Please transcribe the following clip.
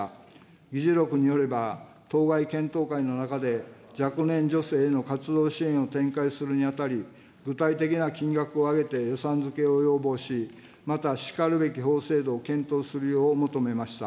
議事録によれば当該検討会の中で、若年女性への活動支援を展開するにあたり、具体的な金額を挙げて予算付けを要望し、また、しかるべき法制度を検討するよう求めました。